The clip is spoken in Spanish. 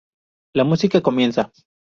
La música comienza.